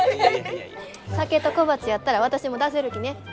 酒と小鉢やったら私も出せるきね。